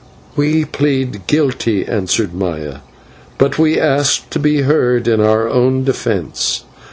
"We plead guilty," answered Maya, "but we ask to be heard in our own defence.